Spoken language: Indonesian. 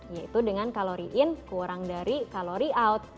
yaitu dengan kalori in kurang dari kalori out